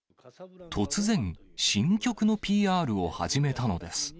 突然、新曲のＰＲを始めたのです。